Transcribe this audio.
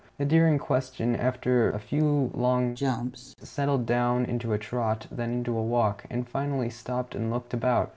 The deer in question, after a few long jumps, settled down into a trot, then into a walk, and finally stopped and looked about.